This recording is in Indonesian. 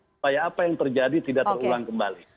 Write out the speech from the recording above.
supaya apa yang terjadi tidak terulang kembali